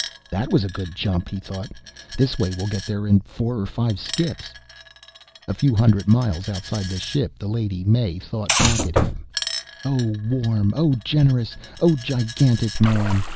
That was a good jump, he thought. This way we'll get there in four or five skips. A few hundred miles outside the ship, the Lady May thought back at him, "O warm, O generous, O gigantic man!